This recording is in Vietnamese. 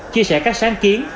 chia sẻ các sáng kiến